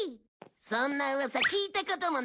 そんな噂聞いたこともないね。